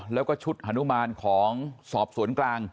แล้วก็ชุดฮานุมานของสอบสวนกลาง